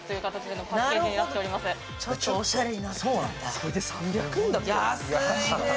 それで３００円だって。